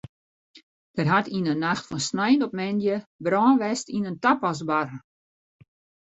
Der hat yn de nacht fan snein op moandei brân west yn in tapasbar.